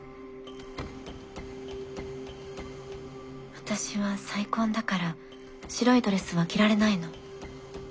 私は再婚だから白いドレスは着られないの。